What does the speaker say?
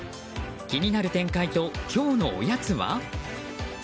気になる展開と今日のおやつは？